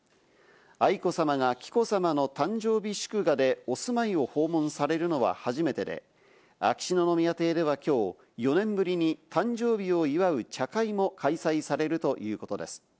愛子さまが紀子さまの誕生日祝賀でお住まいを訪問されるのは初めてで、秋篠宮邸ではきょう、４年ぶりに誕生日を祝う茶会も開催されるということです。